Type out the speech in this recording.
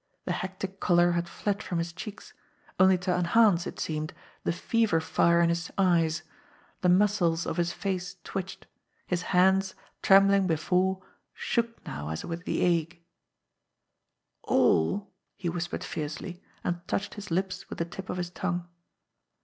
The hectic colour had fled from his cheeks, only to enhance, it seemed, the fever fire in his eyes ; the muscles of his face twitched ; his hands, trem bling before, shook now as with the ague. "AllT he whispered fiercely, and touched his lips with the, tip of his tongue.